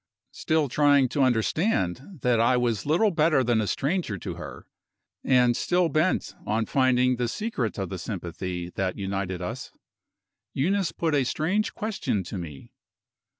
Still trying to understand that I was little better than a stranger to her, and still bent on finding the secret of the sympathy that united us, Eunice put a strange question to me.